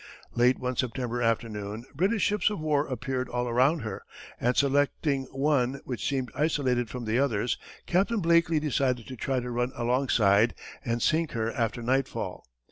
Late one September afternoon, British ships of war appeared all around her, and selecting one which seemed isolated from the others, Captain Blakeley decided to try to run alongside and sink her after nightfall.